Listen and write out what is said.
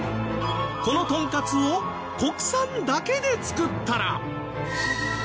このとんかつを国産だけで作ったら。